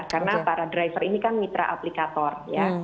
karena para driver ini kan mitra aplikator ya